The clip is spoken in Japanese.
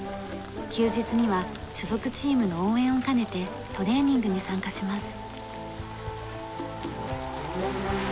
休日には所属チームの応援を兼ねてトレーニングに参加します。